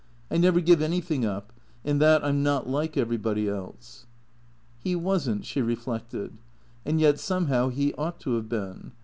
" I never give anything up. In that I 'm not like everybody else." He was n't, she reflected. And yet somehow he ought to have been.